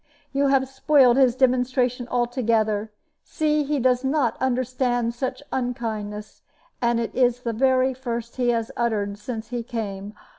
You have spoiled his demonstration altogether see, he does not understand such unkindness and it is the very first he has uttered since he came.